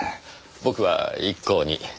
僕は一向に。